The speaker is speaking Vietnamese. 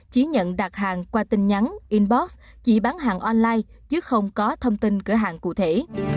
chỉ nhận đặt hàng qua tin nhắn inbox chỉ bán hàng online chứ không có thông tin cửa hàng cụ thể